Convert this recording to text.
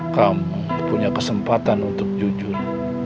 kamu punya kesempatan untuk jujur